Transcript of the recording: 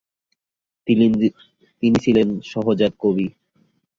তিনি ছিলেন সহজাত কবি।